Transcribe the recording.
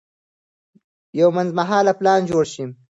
یو منځمهاله پلان جوړ شي.